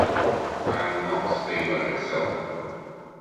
I’ll not stay by myself.